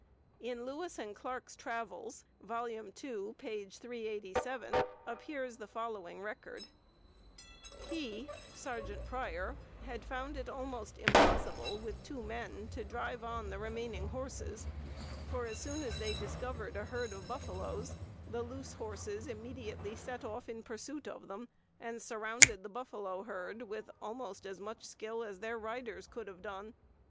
In Lewis and Clarke's Travels, volume II, page 387, appears the following record: "He [Sergeant Pryor] had found it almost impossible with two men to drive on the remaining horses, for as soon as they discovered a herd of buffaloes the loose horses immediately set off in pursuit of them, and surrounded the buffalo herd with almost as much skill as their riders could have done.